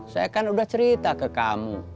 saya kan udah cerita ke kamu